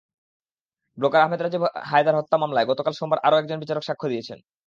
Blogger Ahmed Rajib Haider হত্যা মামলায় গতকাল সোমবার আরও একজন বিচারক সাক্ষ্য দিয়েছেন।